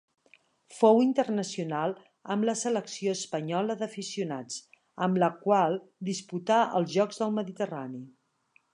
Fou internacional amb la selecció espanyola d'aficionats, amb la qual disputà els Jocs del Mediterrani.